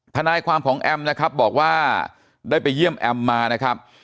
ทนายความของแอมนะครับบอกว่าได้ไปเยี่ยมแอมมานะครับ